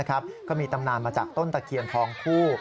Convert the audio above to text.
ก็มีตำนานมาจากต้นตะเคียนทองคู่